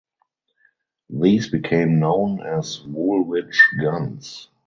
These became known as Woolwich guns.